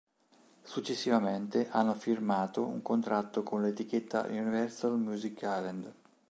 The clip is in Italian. Successivamente hanno firmato un contratto con l'etichetta Universal Music Island.